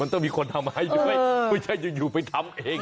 ต้องมีคนทำให้ด้วยไม่ใช่อยู่ไปทำเอง